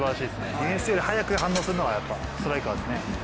ディフェンスより早く反応するのがやはりストライカーですね。